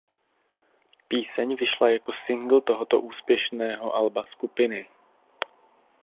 Píseň vyšla jako singl tohoto úspěšného alba skupiny.